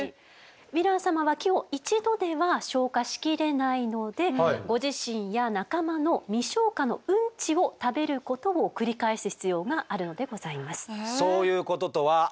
ヴィラン様は木を一度では消化しきれないのでご自身や仲間の未消化のうんちを食べることを繰り返す必要があるのでございます。